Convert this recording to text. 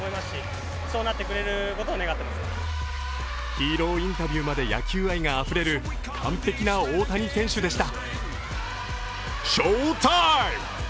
ヒーローインタビューまで野球愛があふれる完璧な大谷選手でした。